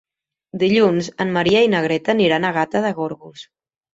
Dilluns en Maria i na Greta aniran a Gata de Gorgos.